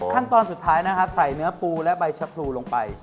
ขั้นตอนสุดท้ายนะครับใส่เนื้อปูและใบชะพรูลงไป